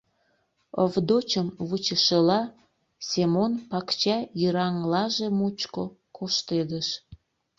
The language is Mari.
Овдочым вучышыла, Семон пакча йыраҥлаже мучко коштедыш.